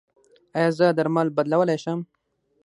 ایا زه درمل بدلولی شم؟